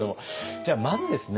じゃあまずですね